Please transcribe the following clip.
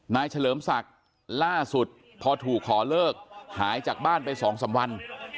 เฉลิมศักดิ์ล่าสุดพอถูกขอเลิกหายจากบ้านไป๒๓วัน